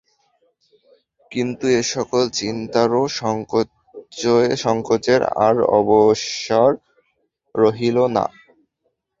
কিন্তু এ-সকল চিন্তার ও সংকোচের আর অবসর রহিল না।